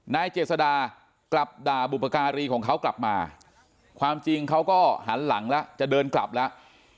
นายเจษดากลับด่าบุปการีของเขากลับมาความจริงเขาก็หันหลังแล้วจะเดินกลับแล้ว